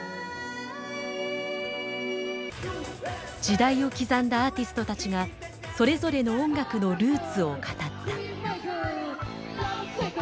時代を刻んだアーティストたちがそれぞれの音楽のルーツを語った。